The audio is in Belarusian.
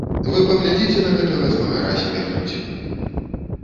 Вы паглядзіце на гэтага змагара з перхаццю.